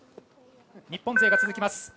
日本勢が続きます。